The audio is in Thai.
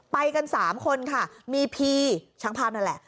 ไปกัน๓คนค่ะมีพีช่างภาพนั่นแหละ